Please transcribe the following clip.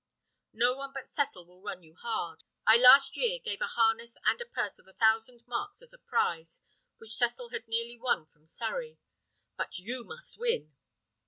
No one but Cecil will run you hard. I last year gave a harness and a purse of a thousand marks as a prize, which Cecil had nearly won from Surrey. But you must win!"